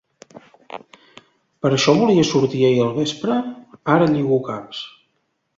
Per això volies sortir ahir al vespre! Ara lligo caps!